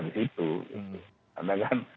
disitu karena kan